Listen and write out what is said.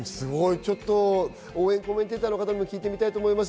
応援コメンテーターの方にも聞いてみたいと思います。